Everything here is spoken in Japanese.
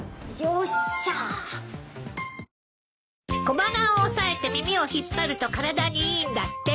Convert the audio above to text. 小鼻を押さえて耳を引っ張ると体にいいんだって。